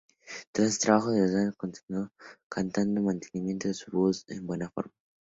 Tras su trabajo en "Dallas" continuó cantando, manteniendo su voz en buena forma.